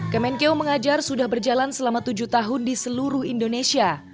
kemenkeu mengajar sudah berjalan selama tujuh tahun di seluruh indonesia